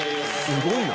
すごいな。